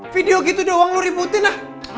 video gitu doang lo ributin ah